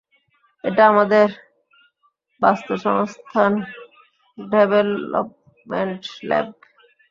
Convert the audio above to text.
এটা আমাদের বাস্তুসংস্থান development lab.